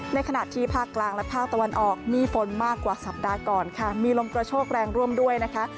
ในขณะที่ภาคกลางและภาคตะวันออกมีฝนมากกว่าสัปดาห์ก่อนค่ะมีลมกระโชกแรงร่วมด้วยนะคะ